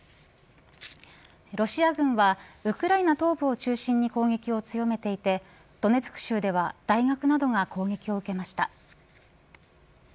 ロシア軍はウクライナ東部を中心に攻撃を強めていてドネツク州では大学などが攻撃を受けました。